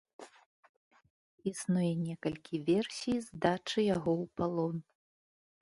Існуе некалькі версій здачы яго ў палон.